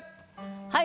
はい。